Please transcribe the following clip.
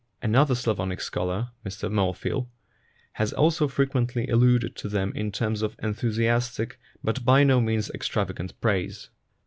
Another Slavonic scholar, Mr Morfill, has also frequently alluded to them in terms of enthusiastic but by no means extravagant praise.